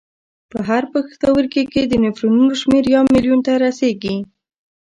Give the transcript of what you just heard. په هر پښتورګي کې د نفرونونو شمېر یو میلیون ته رسېږي.